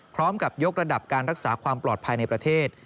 พร้อมกับยกระดับการรักษาความปลอดภัยในประเทศ